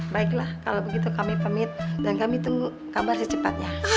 baiklah kalau begitu kami pamit dan kami tunggu kabar secepatnya